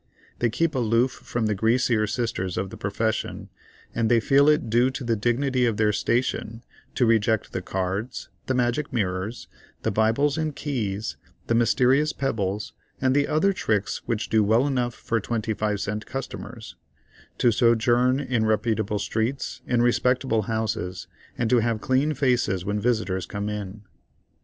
They keep aloof from the greasier sisters of the profession, and they feel it due to the dignity of their station to reject the cards, the magic mirrors, the Bibles and keys, the mysterious pebbles and the other tricks which do well enough for twenty five cent customers; to sojourn in reputable streets, in respectable houses, and to have clean faces when visitors come in.